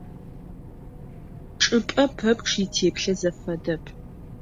Чӏыпӏэ пэпчъ итеплъэ зэфэдэп.